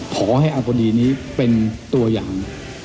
ขอให้อาคดีนี้เป็นตัวอย่าง